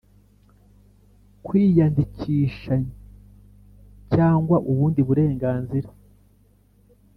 kwiyandikishacyangwa ubundi burenganzira,